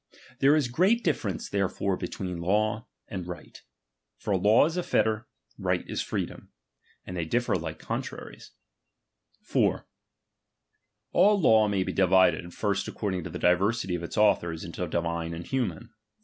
There is great difference therefore between law and right. For law is a fetter, right isjree dom ; and they differ hke contraries, f 4. All law maybe divided, first according to the ii] diversity of its authors into divine and human.